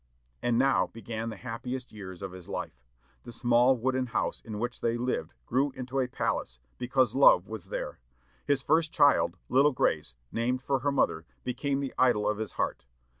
And now began the happiest years of his life. The small, wooden house in which they lived grew into a palace, because love was there. His first child, little Grace, named for her mother, became the idol of his heart.